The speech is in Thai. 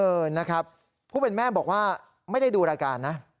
เออนะครับผู้เป็นแม่บอกว่าไม่ได้ดูรายการนะ